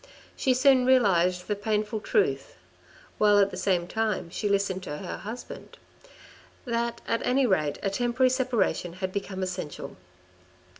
She soon realised the painful truth (while at the same time she listened to her husband), that at any rate a temporary separation had become essential.